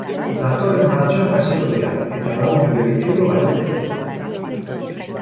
Datorren martxoan hasiko dira, eta lau milioi euro balioko dute.